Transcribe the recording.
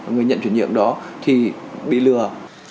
người nhận chuyển nhượng đó thì bị lừa